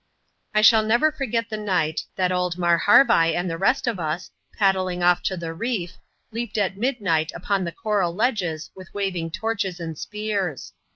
I shall never forget the night, that old Marharvai and the rest of us, paddling off to the reef, leaped at midnight upon the coral ledges with waving torches and spears.